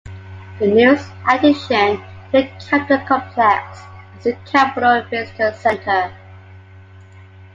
The newest addition to the Capitol Complex is the Capitol Visitor Center.